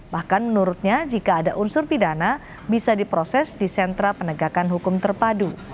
bahkan menurutnya jika ada unsur pidana bisa diproses di sentra penegakan hukum terpadu